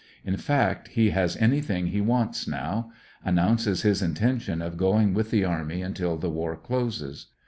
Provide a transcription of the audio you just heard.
In fact, he has anything he wants now. Announces his intention of going with the army until the war closes.